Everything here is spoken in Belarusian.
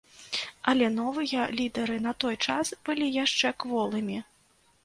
Але новыя лідэры на той час былі яшчэ кволымі.